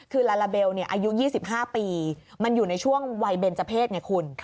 คือลาลาเบลอายุ๒๕ปีมันอยู่ในช่วงวัยเบนเจอร์เพศไงคุณ